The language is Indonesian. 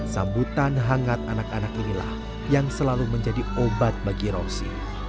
sambutan hangat anak anak inilah yang selalu menjadi obat bagi rosi